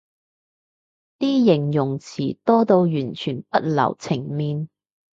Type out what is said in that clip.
啲形容詞多到完全不留情面